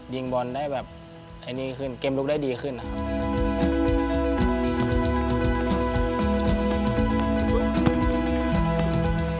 ยิงบอลได้แบบไอ้นี่ขึ้นเกมลุกได้ดีขึ้นนะครับ